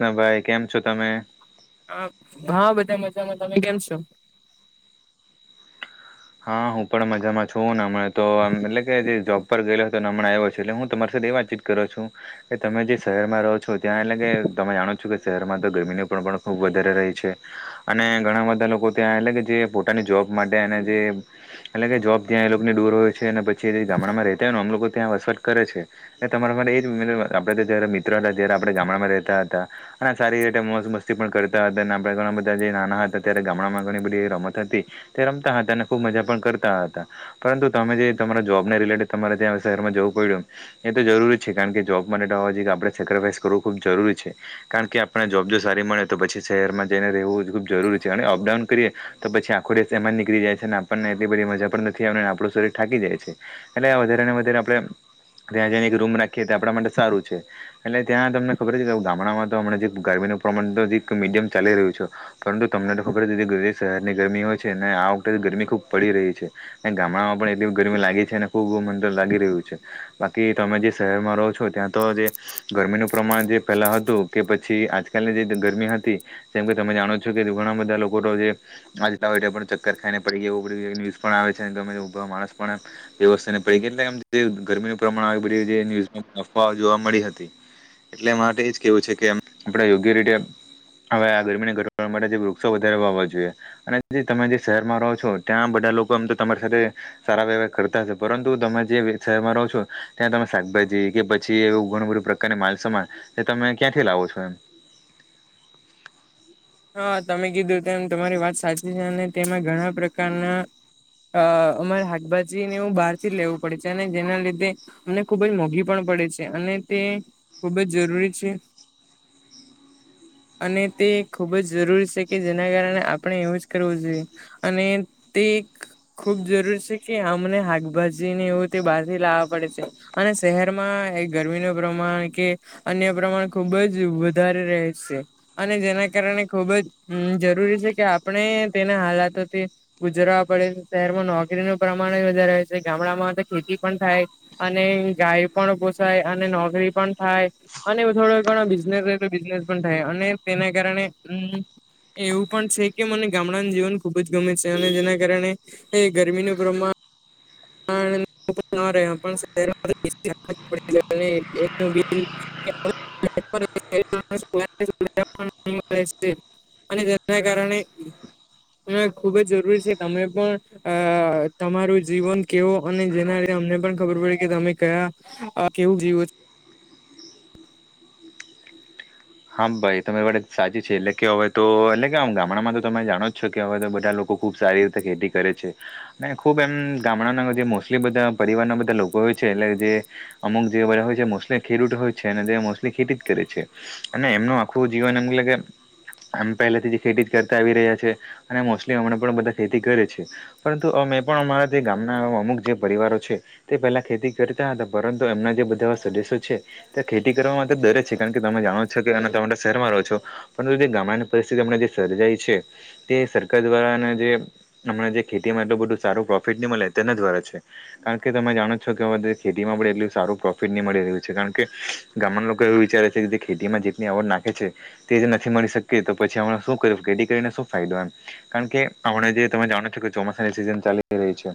ના ભાઈ કેમ છો તમે? હ હા બધા મજામાં તમે કેમ છો?? હા હું પણ મજામાં છું, ને હમં તોમ એટલે કે જે જોબ ઉપર ગયેલા હતો અને હમણાં આવ્યો છે. એટલે હું તમારી સાથે એ વાત ચીત કર્યો છું. એ તમે જે શહેરમાં રહો છો ત્યાં એટલે કે તમે જાણો છો કે શહેરમાં તો ગરમીનું પણ ખબ વધારે રહી છે, અને ઘણા બધા લોકો ત્યાં એટ કે જે પોતાની જોબ માટે તે એટલે કે જોબ ત્યાં એ લોકો ને દૂર હોય છે અને પછી એ ગામડામાં ર રહેતા હોય ને આમ લોકો ત્યાં વસવાટ કરે છે. તમારા માટેરે એ આપડે તો જયારે મિત્રો હતા જય્યારે આપ ગામડામાં રહેતા હતા. અને સારી રીતે મસ્ત મસ્તી પણ કરતા હતા અને આપણા ઘણા બધા જે નાના હતા ત્યારે ગામડામાં ઘણી બધી રમત હતી. તે રમતા હતા અને ખુબ મજા પણ કરતા હતા. પરંતુ તમે જે તમારા જોબને રિલેટેડ તમારે ત્યાં શહેરમાં જવું પડ્યું. એ તો જરૂરી છે કારણ કે જોબ માટેવા જ આપણે સેક્રિફાઈસ કરવું ખુબ જરૂરી છે. કારણ કે આપણે જોબ જો સારી મળે તો પછી શહેરમાં જઈને રહેવું ખૂબ જરૂરી છે અને અપડાઉન કરીએ. તો પછી આખું એમાંની નીકી જાય છે અને આપણને એટલી બધી મજા પણ નથી આવ આપણું શરીર થાકી જાય છે, એટલે વધારે ને વધારે આપડણે ત્યાં જને એક રૂમ રાખીએ્યા આપણા માટે સારું છે. એટલે ત્યાં તમને ખબર છે કે ગામડામાં તો હમ ગરમીનું પ્રમાણ મીડિયમ ચાલી રહ્યું છે. પરંતુ તમને તો ખબર શહેરની ગરમી હોય છે ને આ વખતે ગરમી ખૂબ પડી રહી છે. ગામડામાં પણ એટલી ગરમી લાગી છે અને ખુબ મંદર લાગી રહ્યું છે, બાકી તમે જે શહેરમાં રહો છો ત્યાં તો જે ગરમીનું પ્રમાણ જે ફેલા હતું કે પછી આજકાલની જે ગરમી હતી. જેમ કે તમે જાણો છો કે ઘણા બધા લોકો તો જે, આજ હોય. કરખાઈને પડી ગ એવું બધ ન્યઝ પણ આવે છે ગમેા માણસ પણ વ્યવસ્થા પ ગરમીનું પ્રમાણ બધ અફ જોવા મળી હતી. એટલે એ માટે એજ કેવું છે કે આપણે યોગ્ય રીતે હવે આ ગરમીને ઘટાડવા માટે જે વૃક્ષો વધારે વાવા જોઈએ, અને તમે જે શહેરમાં રહો છો ત્યાં બધા લોકો એમ તો તમારી સાથે સારા વવ કરતા હશે પરંતુ તમે જે શહેરમાં રહો છો, ત્યાં તમે શાકભાજી કે પછી એવું ઘણું બધું અને માલ સમાન, એ તમે ક્યાંથી લાવો છો એમ? હા તમે કીધું તેમ તમારી વાત સાચી છે અને તેમાં ઘણા પ્રકારના. અ અમારે શાકભાજી ને એવું બહાર થી જ લેવું પડે છે અને જેના લીધે. અનેમને ખુબ જ મોંઘી પણ પડે છે અને તે ખૂબ જ જરૂરી છે. [inaudible] અને તે ખૂબ જ જરૂરી છે કે જેના કારણે આપણે એવું જ કરવું જોઈએ, અને તે એક ખુબ જરૂર છે કે અમને શાકભાજીને એવું તે બહાર લાવવા પડે છે. અને શહેરમાં ગરમીનું પ્રમાણ કે અન્ય પ્રમાણ ખુબ જ વધારે રહે છે, અને તે ના કારણે ખુબ જ જરૂરી છે કે આપણે તેના હાલાતોથી ગુજરાવા પડે છે, શહેરમાં નોકરીનું પ્રમાણ જ વધારે હોય છે, ગામડામાં તો ખેતી પણ થાય. અને ગાય પણ પોસાય અને નોકરી પણ થાય. અને થોડો ઘણા બિઝનેસ હોય તો બિઝનેસ પણ થાય અને તેના કારણે એવું પણ છે કે મને ગામડાનું જીવન ખુબ જ ગમે છે અને જેના કારણે એ ગરમીનું પ્રમાણ [unintelligible] [unintelligible] [unintelligible] અને તેના કારણે ખુબ જ જરૂરી છે, તમે પણ અ તમારું જીવન કેવો અને જેના લીધે અમને પણ ખબર પડે કે તમે કયા અ કેવું જીવો છો? હા ભાઈ તમારી આ વાત સાચી છે એટલે કે અવે તો એટલે કે એમ ગામડામાં તો તમે જાણો જ છો કે અવે તો બધા લોકો ખુબ સારી રીતે ખેતી કરે છે. અને ખુબ એમ ગામડાના જે મોસ્ટલી બધા પરિવારના બધા લોકો હોય છે એટલે જે અમુક જે બધા હોય છે, મોસ્લી ખેડૂત હોય છે અને તે મોસ્લી ખેતી જ કરે છે. અને એમનું આખું જીવન એટલે કે આમ પહેલાથી જે ખેતી જ કરતા આવી રહ્યા છે, અને મોસ્ટલી અમણાં પણ બધા ખેતી કરે છે. પરંતુ અમે પણ અમારા જે ગામના અમુક જે પરિવારો છે. તે પેલા ખેતી કરતા હતા, પરંતુ એમના જે બધા સદસ્યો છે. તે ખેતી કરવા માટે ડરે છે. કારણ કે તમે જાણો જ છો. કે તમે તો શહેરમાં રહો છો, પરંતુ જે ગામડાની પરિસ્થિતિ અમના જે સર્જાય છે. તે સરકાર દ્વારા અને જે અમણાં જે ખેતીમાં એટલ બધું સારું પ્રોફિટ ની મળે તેના દ્વારા છે. કારણ કે તમે જાણો છો કે અવે તો ખેતીમાં પણ એટલું સારું પ્રોફિટ ની મળી રહ્યું છે કારણ કે ગામડાના લોકો એવું વિચારે છે કે ખેતીમાં જેટલી આવક નાખે છે, તે જે નથી મળી શકતી તો પછી અમણાં શું કર ખેતી કરીને શું ફાયદો એમ. કારણ કે અમણાં જે તમે જાણો છો કે ચોમાસાની સિઝન ચાલ રહી છે.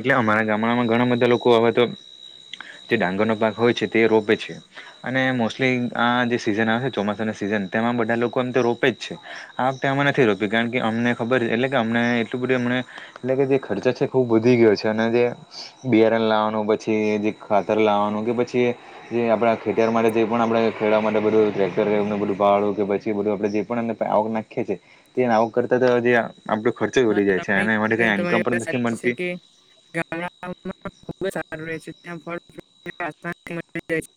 એટલે અમારા ગામડામાં ઘણા બધા લોકો અવે તો જે ડાંગરનો પાક હોય છે તે રોપે છે, અને મોસ્ટલી આ જે સીઝન આવે છે ચોમાસાના સિઝન તેમાં બધા લોકો એમ તો રોપે જ છે. આવકતે અમે નથી રોપ્યું કારણ કે અમને ખબર એટલે કે અમને એટલું બધું અમણે એટલે કે જે ખર્ચા છે ખુબ વધી ગયો છે અને જે બિયારણ લાવાનું પછી જે ખાતર લાવાનું કે પછી જે આપડા ખેતર માટે જે પણ આપણે ખેડવા માટે બધું ટ્રેક્ટરો એમને બધું ભાડું કે પછી બધું આપડે જે પણ આવક નાખીએ છે. તે આવક કરતા તો જે આપડો ખર્ચો જ વધી જાય છે અને એમાંથી કઈ ઇન્કમ તમારી પણ વાત નથી સાચી છે મળતી. કે [inaudible] ગામડાઓમાં ખુબ સારું રહે છે. ત્યાં [unintelligible]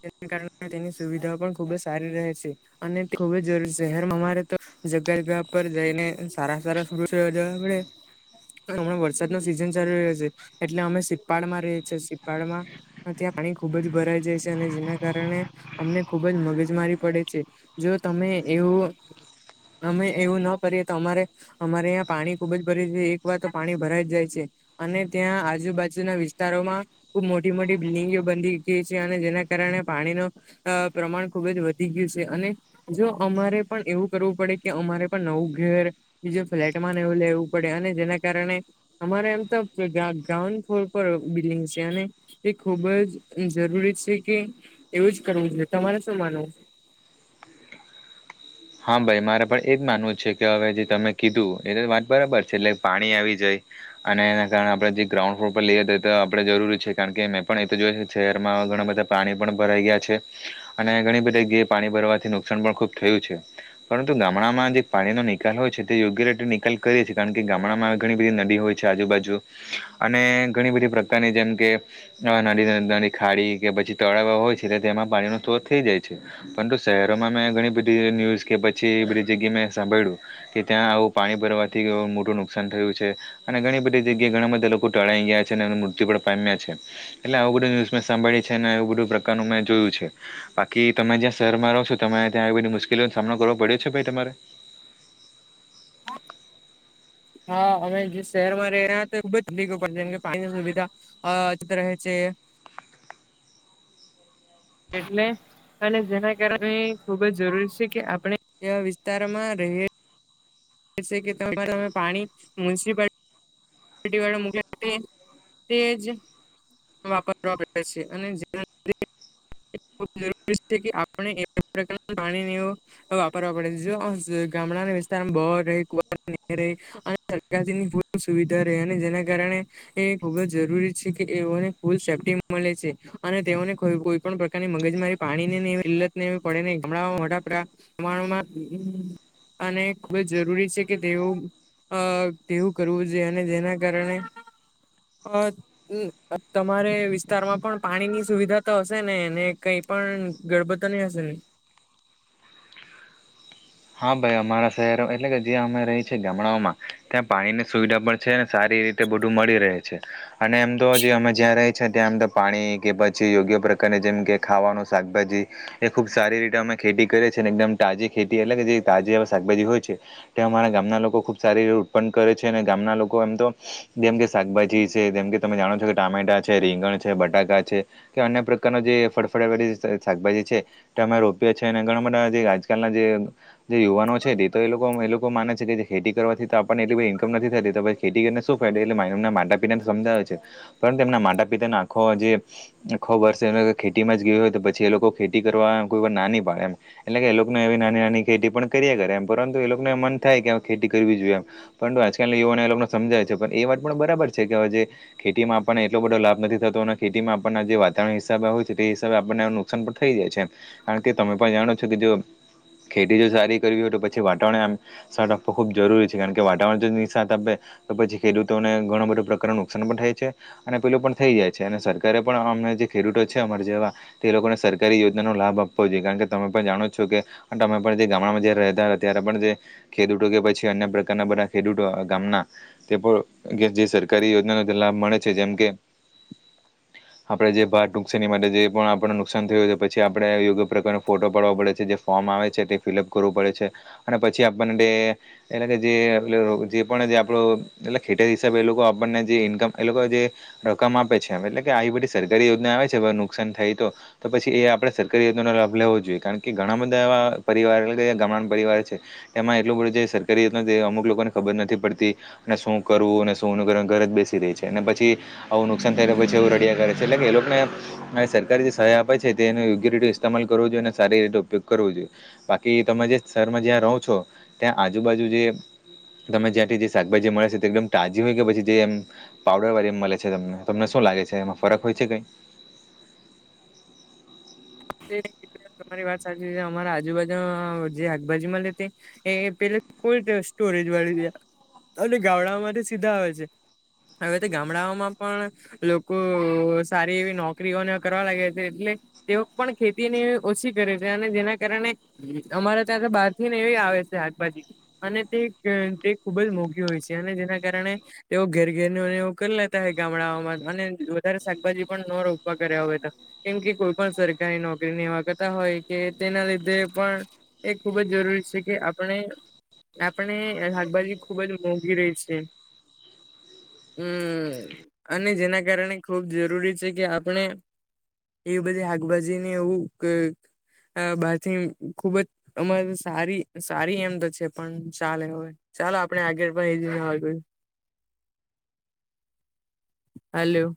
જેના કારણે તેની સુવિધાઓ પણ ખુબ જ સારી રહે છે. અને તે ખુબ જ જરૂરી છે, શહેરમાં અમારે તો જગ્યા જગ્યા પર જઈને સારા સારા [unintelligible] પડે. અમણાં વરસાદનો સીઝન ચાલુ રહ્યો છે, એટલે અમે સિપાળમાં રહીએ છીએ, સીપાળમાં ત્યાં પાણી ખુબ જ ભરાઈ જાય છે અને જેના કારણે અમને ખુબ જ મગજ મારી પડે છે, જો તમે એવું અમે એવું ન કરીએ તો અમારે. અમારે અહીંયા પાણી ખુબ જ ભરાય જાય એક વાર તો પાણી ભરાય જ જાય છે. અને ત્યાં આજુબાજુના વિસ્તારોમાં. ખુબ મોટી મોટી બિલ્ડિંગો બંધી ગઈ છે અને જેના કારણે પાણીનો અ પ્રમાણ ખુબ જ વધી ગયું છે અને જો અમારે પણ એવું કરવું પડે કે અમારે પણ નવું ઘેર. બીજું ફ્લેટમાંને એવું લેવું પડે અને જેના કારણે. અમારે એમ તો ગ્રાઉન્ડ ફ્લોર પર બિલ્ડિંગ છે અને. એ ખુબ જ જરૂરી છે કે એવું જ કરવું જોઈએ તમારે શું માનવું? હા ભાઈ મારે પણ એ જ માનવું છે કે હવે જે તમે કીધું એ તો વાત બરાબર છે એટલે પાણી આવી જાય. અને એના કારણે આપણે જે ગ્રાઉન્ડ ફ્લોર પર લઈએ તો તો આપણે જરૂરી છે કારણ કે મેં પણ એ તો જોય શહેરમાં ઘણા બધા પાણી પણ ભરાઈ ગયા છે, અને ઘણી બધી જગ્યાએ પાણી ભરવાથી નુકસાન પણ ખુબ થયું છે. પરંતુ ગામડામાં જે પાણીનોો નિકાલ હોય છે તે યોગ્ય રીતે નિકાલ કરીએી કારણ કે ગામડામાં ઘણી બધી નદી હોય. છે આજુબાજુ, અને ઘણી બધી પ્રકારની જેમ કે નદી ન ખાડી કે પછી તળાવ હોય છે તેમાં પાણીનો સ્ત્રોત થઈ જાય છે. પરંતુ શહેરોમાં મેં ઘણી બધી ન્યુઝ કે પછી બધી જગ્યા મેં સાંભળ્યું. કે ત્યાં આવું પાણી ભરવાથી મોટું નુકસાન થયું છે. અને ઘણી બધી જગ્યા ઘણા બધા લોકો ટળાઈ ગયા છે અને એ મૃત્યુ પણ પામ્યા છે. એટલે આવું બધું ન્યુઝ મેં સાંભળી છે ને એવું બધું પ્રકારનું મેં જોયું છે. બાકી તમે જ્યાં શહેરમાં રહો છો તમે ત્યાં એ બધી મુશ્કેલીઓ નનો સામનો કરવો પડ્યો છે ભાઈ તમારે? હા અમે જે શહેરમાં રહે્યા હતા તો એ બ જ પડ જેમ કે પાણીની સુવિધા. હ જ રહે છે. એટલે? અને જેના કારણે ખુબ જ જરૂરી છે કે આપણે એવા વિસ્તારમાં રહી. કે તમે પાણી, મ્યુનસપ મોક તેજ. વાપરવા પડે છે અને જે [unintelligible] જરૂરી છે કે આપણે એ પ્રકાર પાણી [unintelligible] હ વાપરવા પડે ગામડા વિસ્તારમાં બ ર કુ ની રેય. અને સરકારની પૂ સુવિધા રહે અને જેના કારણે એ ખૂબ જ જરૂરી છે કે એઓને ફૂલ સેફ્ટી મળે છે, અને તેઓને કો પણ પ્રકારની મગજ મારી પાણી નેઈલત ને એવી પડે નહીં હમં વડાપ તમારોમાં હ [unintelligible] અને ખૂબ જ જરૂરી છે કે તેવું અ તેવું કરવું અને જેના કારણે હમ તમારે વિસ્તારમાં પણ પાણીની સુવિધા તો હશે ને ને કઈ પણ ગરબતા નહી હશે ને? હા ભાઈ અમારા શહેરો એટલે કે જ્યાં અમે રહી છીએ ગામડાઓમાં, ત્યાં પાણીની સુવિધા પણ છે સારી રીતે બધું મળી રહે છે. અને એમ તો જે અમે જ્યાં રહી છે ત્યાં આમ તો પાણી કે પછી યોગ્ય પ્રકારારે જેમ કે ખાવાનું શાકભાજી. એ ખુબ સારી રીતે અમાં ખેતી કરે છે ને એકદમ તાજી ખેતી અલગ જે તાજી એ શાકભાજી હોય છે. તે અમારા ગામના લોકો ખૂબ સારી રીતે ઉત્પન્ન કરે છે અને ગામના લોકો એમ તો જેમ કે શાકભાજી છે જેમ કે તમે જાણો છો કે ટામેટા છે રીંગણ છે બટાકા છે. કે અન્ય પ્રકારનો જે ફળફડ વાળ શાકભાજી છે. તે અમે રોપએ છીએ અને ઘણા બધા જે આજકાલના જે જે યુવાનો છે તો એ લોકો એ લોકો માને છે કે ખેતી કરવાથી તો આપણને એટલી બધી ઈન્કમ નથી થતી તોછ ખેતી કરીને શું ફાયદો એટલે મા એના માતા પિતાને સમજાવે છે, પરંતુ એમના માતા પિતાને આખો જે ખોબ હર્ષ એ ખેતીમાં જ ગવી હોય તો પછી એ લોકો ખેતી કરવા કોઈ વાર ના નહી પાડે એમ. એટલે કે એ લોકોને એવી નાની નાની ખેતી પણ કરીએ કરે એમ પરંતુ એ લોકોને એ મન થાય કે ખેતી કરવી જોઈએ એમ. પરંતુ આજકાલ યુવાને એ લોકોને સમજાય છે પણ એ વાત પણ બરાબર છે કે હવે જે ખેતીમાં આપણનેટલો બધો લાભ નથી થતો અને ખેતી આપણને જે વાતાવરણ હિસાબે હોય છે તે હિસાબ આપણને પણ થઈ જાય છે, કારણ કે તમે પણ જાણો છો કે જો ખેતી જો સારી કરવી હોય તો પછી વાતાવરણ આમ સા આપવું ખૂબ જરૂરી છે, કારણ કે વાતાવરણની સાત આપે તો પછી ખેડૂતોને ઘણા બધા પ્રકારનું નુકસાન પણ થાય છે. અને પેલું પણ થઈ જાય છે અને સરકારે પણ અમ જે ખેડૂતો છે અમાર જેવા. તે લોકોને સરકારી યોજનાનોો લાભ આપવો જોઈએ કારણ કે તમે પણ જાણો છો કે તમે પણ જે ગામડામાં જારે રહેતા હતા ત્યારે પણ જે ખેડૂતો કે પછી અન્ય પ્રકારના બધા ખેડૂતો ગામના. તે પ ક જે સરકારી યોજનાનો ત લાભ મળે છે, જેમ કે આપડણે જે ભાત નુકસાની માટે જે પણ આપડને નુકસાન થીયું છે, પછી આપડણે યોગ્ય પ્રકારનો ફોટો પાડવો પડે છે. જે ફોમ આવે છે, તે ફિલઅપ કરવું પડે છે અને પછી આપણને તે એનેકે જે અલુ જે પણ જે આપડુ એટલે ખેટે હિસાબે એ લોકો આપણને જે ઇન્કમ એ લોકો જે રકમ આપે છે એમ એટલે કે, આયી બધી સરકારી યોજના આવે છે, નુકસાન થાય તો. તો પછી એ આપણે સરકારી યોનાનો લાભ લેવો જોઈએ, કારણ કે ઘણા બ તવા પરિવાર એલે કે ગમણાન પરિવાર છે. એમાં એટલું બડું જે સરકારી યોજના ત અમુક લોકોને ખબર નથી પડતી. અને શું કરવું અને શું નકર ઘરજ બેસી રય છે અને પછી આવુ નુકસાન થઈ ને પછી એવુ રડિયા કરે છે એટલે એ લોકને હવે સરકારે જે સહાય આપે છે, તેનું યોગ્ય રીટે ઇસ્તેમાલ કરવું જોઈએ ને સારી રીતે ઉપયોગ કરવું જોઈએ. બાકી તમે જે શરમાં જ્યાં રહો છો, ત્યાં આજુબાજુ જે તમે જ્યાથી જે શાકભાજી મળે છે, તે એકદમ ટાજી ઓય કે પછી જે એમ પાવડર વાલી એમ મલે છે તમને. તમને શું લાગે છે, એમા ફરક હોય છે કઈ? [unintelligible] તમારી વાત સાચી સે, અમારા આજુબાજુ જે હાકભાજી મલે તે એ પેલ કોલ્ડ સ્ટોરેજ વાળી જે ગામડામાં સીધા આવે છે. અવે ત ગામડાઓમાં પણ લોકો સારી એવી નોકરીઓન કરવા લાગે છે એટલે તેઓ પણ ખેતીને ઓસી કરે છે અને જેના કારણે અમારે ત્યાં તો બાર થી ને એવી આવે સે હાકભાજી. અને તે ક તે ખુબ જ મોઘી હોય સે અને જેના કારણે એવું ઘેર ઘેર ને એવું કરી લેતા હોય, ગામડાઓમાં અને વધારે શાકભાજી પણ ન રોપા કર્યા હોય તો. કેમ કે કોઈ પણ સરકારી નોકરી ન એવા કતા હોય કે તેના લીધે પણ એ ખૂબ જ જરૂરી સે, કે આપણે આપણે એ હાકભાજી ખુબ જ મોંઘી રહે છે. હમ્મ અને જેના કારણે ખુબ જરૂરી છે કે, આપણે એવી બધી હાકભાજીને એવું ગ અ બાથી ખુબ જ અમારે તો સારી સારી એમ તો છે, પણ ચાલે હવે. ચાલો આપળે આગળ પહી [unintelligible] હાલ્યો.